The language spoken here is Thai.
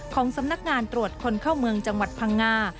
ของสำนักงานตรวจคนเข้าเมืองจังหวัดพังงา